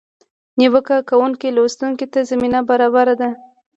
نیوکه کوونکي لوستونکي ته زمینه برابره ده.